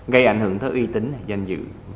gây ảnh hưởng tới uy tín doanh dự